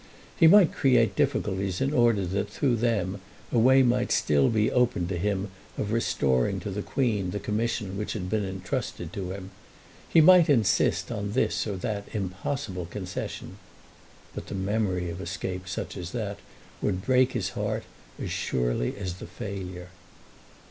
He might create difficulties in order that through them a way might still be opened to him of restoring to the Queen the commission which had been entrusted to him. He might insist on this or that impossible concession. But the memory of escape such as that would break his heart as surely as the failure.